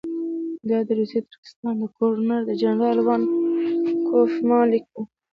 دا د روسي ترکستان د ګورنر جنرال وان کوفمان لیک وو.